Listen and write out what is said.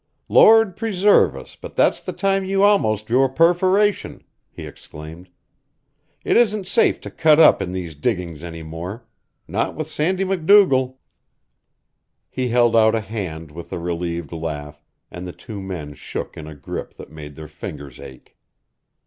"Lord preserve us, but that's the time you almost drew a perforation!" he exclaimed. "It isn't safe to cut up in these diggings any more not with Sandy MacDougall!" He held out a hand with a relieved laugh, and the two men shook in a grip that made their fingers ache.